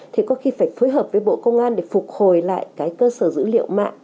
thì có khi phải phối hợp với bộ công an để phục hồi lại cái cơ sở dữ liệu mạng